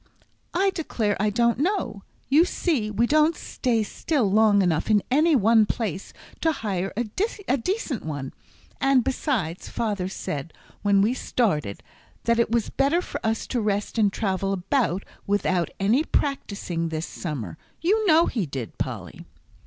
"I declare I don't know. You see we don't stay still long enough in any one place to hire a decent one; and besides, father said, when we started, that it was better for us to rest and travel about without any practising this summer. You know he did, Polly."